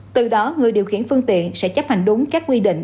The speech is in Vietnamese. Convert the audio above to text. từ đó người điều khiển phương tiện sẽ chấp hành đúng các quy định